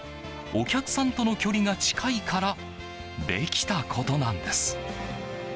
お客さんとの距離が近いからできたことなんです。